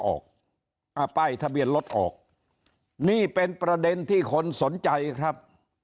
ออกอ่าป้ายทะเบียนรถออกนี่เป็นประเด็นที่คนสนใจครับ